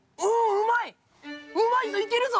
うまいぞいけるぞ。